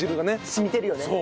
染みてるよね。